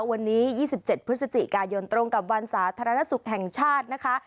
วันนี้๒๗พฤศจิกายนตรงกับวันสาธารณสุขแห่งชาตินะคะ